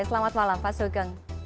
selamat malam pak sugeng